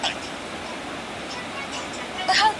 د اولادونو ښه پالونکې ميرمن څنګه پيژندل کيږي؟